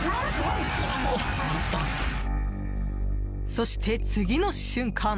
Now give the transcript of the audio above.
そして、次の瞬間